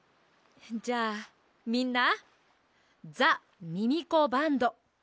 じゃあみんなザ・ミミコバンドやるよ！